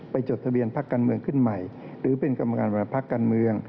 จดทะเบียนพักการเมืองขึ้นใหม่หรือเป็นกรรมการเวลาพักการเมือง